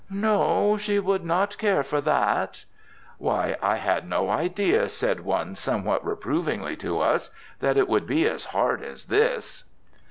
"No, she would not care for that." "Why, I had no idea," said one somewhat reprovingly to us, "that it would be as hard as this."